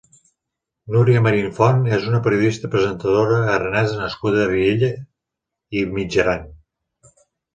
Núria Marín Font és una periodista i presentadora aranesa nascuda a Viella i Mitjaran.